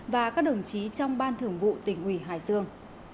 và các đồng chí trong ban thưởng vụ tỉnh quỳ hải sương